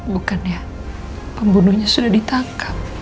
bukannya pembunuhnya sudah ditangkap